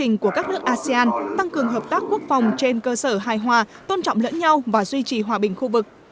hội nghị của các nước asean tăng cường hợp tác quốc phòng trên cơ sở hài hòa tôn trọng lẫn nhau và duy trì hòa bình khu vực